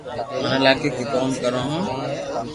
مني لاگي ڪي ڪوم ڪرو ھون